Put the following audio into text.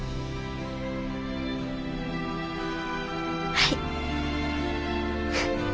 はい。